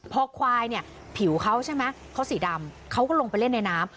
พอควายเนี่ยผิวเขาใช่ไหมเขาสีดำเขาก็ลงไปเล่นในน้ำ